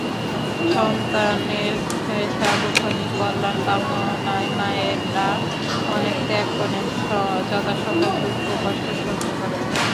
সন্তানের সার্বক্ষণিক কল্যাণ কামনায় মায়েরা অনেক ত্যাগ করেন, যথাসম্ভব দুঃখ-কষ্ট সহ্য করেন।